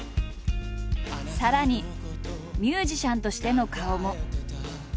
さらにミュージシャンとしての顔も。